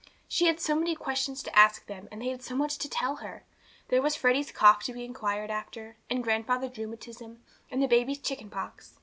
She had so many questions to ask them, and they had so much to tell her. There was Freddy's cough to be inquired after, and grandfather's rheumatism, and the baby's chickenpox.